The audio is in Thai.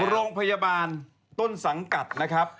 โรงพยาบาลต้นสังกัดนะครับ